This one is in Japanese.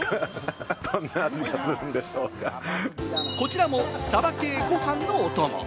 こちらもサバ系ご飯のお供。